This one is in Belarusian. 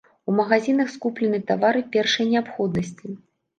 У магазінах скуплены тавары першай неабходнасці.